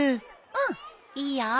うんいいよ。